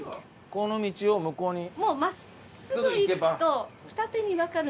この道を向こうに？